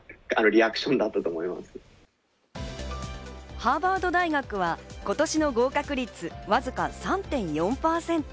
ハーバード大学は今年の合格率、わずか３．４％。